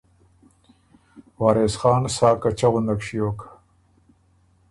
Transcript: وارث خان سا کچۀ غُندک ݭیوک۔